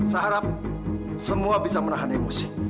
saya harap semua bisa menahan emosi